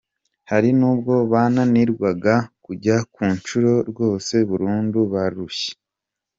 Hari n’ubwo bananirwaga kujya ku ishuri rwose burundu barushye.